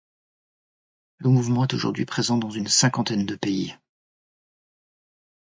Le mouvement est aujourd'hui présent dans une cinquantaine de pays.